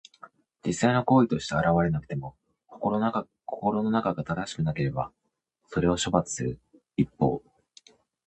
実際の行為として現れなくても、心の中が正しくなければ、それを処罰する筆法。